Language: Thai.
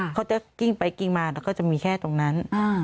เขาจะกิ้งไปกิ้งมาแล้วก็จะมีแค่ตรงนั้น